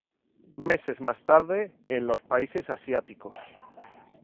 Meses más tarde en los países asiáticos.